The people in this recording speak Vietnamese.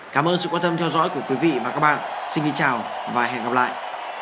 cảm ơn quý vị và các bạn xin chào và hẹn gặp lại